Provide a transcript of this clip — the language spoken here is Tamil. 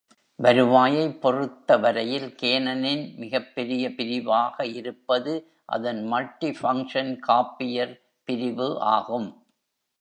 வருவாயைப் பொறுத்தவரையில் கேனன் -இன் மிகப்பெரிய பிரிவாக இருப்பது அதன் மல்டிஃபங்க்ஷன் காப்பியர் பிரிவு ஆகும்.